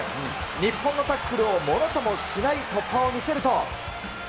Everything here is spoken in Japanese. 日本のタックルをものともしない突破を見せると。